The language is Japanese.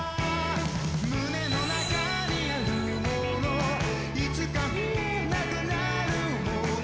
「胸の中にあるものいつか見えなくなるもの」